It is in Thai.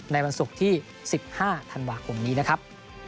ในวันศุกร์ที่๑๕ธันวาคมนี้นะครับ